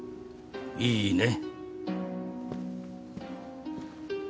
いいね？